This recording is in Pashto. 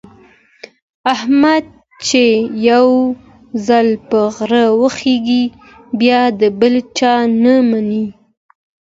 احمد چې یو ځل په غره وخېژي، بیا د بل چا نه مني.